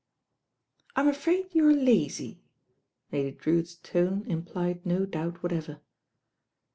"rm afraid you're lazy." Lady Drewitt's tone implied no doubt whatever.